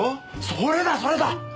それだそれだ！